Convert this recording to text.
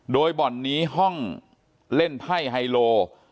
โดยบ่อนนี้ห้องเล่นไพ่ไฮโล